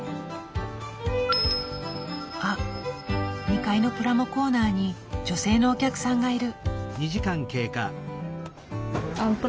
あっ２階のプラモコーナーに女性のお客さんがいる。